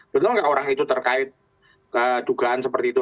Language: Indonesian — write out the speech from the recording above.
bener gak orang itu terkait kedugaan seperti itu